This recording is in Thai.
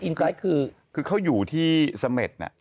อินไกรคือคือเขาอยู่ที่สเม็ดน่ะ